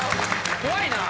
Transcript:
怖いな！